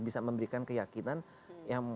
bisa memberikan keyakinan yang